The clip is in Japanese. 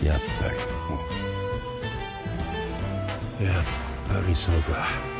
やっぱりそうか。